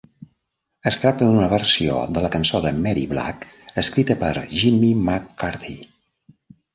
Es tracta d'una versió de la cançó de Mary Black, escrita per Jimmy MacCarthy.